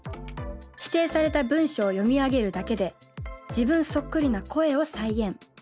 指定された文章を読み上げるだけで自分そっくりな声を再現。